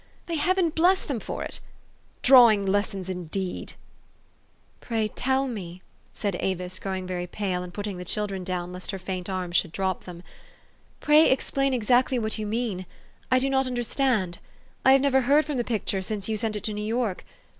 May Heaven bless them for it ! Drawing lessons, indeed !" "Pray tell me," said Avis, growing very pale, and putting the children down, lest her faint arms should drop them, '' pray explain exactly what you mean. I do not understand. 1 have never heard from the picture since you sent it to New York.